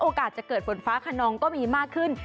โอกาสจะเกิดฝนฟ้าขนองก็มีมากขึ้น